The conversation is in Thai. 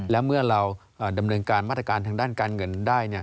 และเมื่อเราดำเนินการมาตรการทางด้านการเงินได้